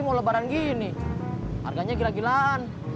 saya harimu berbukit bukit